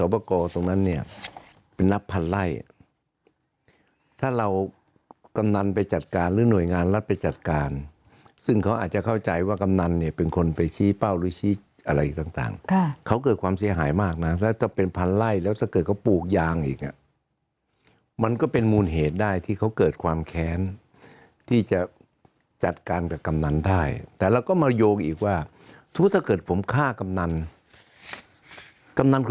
ประกอบตรงนั้นเนี่ยเป็นนับพันไล่ถ้าเรากำนันไปจัดการหรือหน่วยงานรัฐไปจัดการซึ่งเขาอาจจะเข้าใจว่ากำนันเนี่ยเป็นคนไปชี้เป้าหรือชี้อะไรต่างเขาเกิดความเสียหายมากนะถ้าเป็นพันไล่แล้วถ้าเกิดเขาปลูกยางอีกอ่ะมันก็เป็นมูลเหตุได้ที่เขาเกิดความแค้นที่จะจัดการกับกำนันได้แต่เราก็มาโยงอีกว่าสมมุติถ้าเกิดผมฆ่ากำนันกำนัน